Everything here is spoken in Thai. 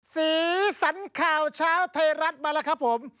สีสันข่าวเช้าไทยรัฐมาแล้วครับผม